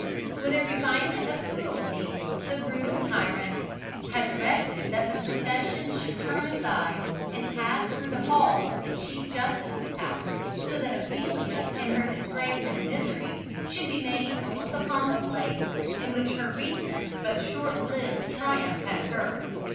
With a refinement of cruelty, the brutal tyrant had directed that the procession should turn aside and pass through the hall of the Chief Justice's house, so that Ophelia in her disgrace and misery, should be made to look upon the place in which her recent but shortlived triumph had occurred.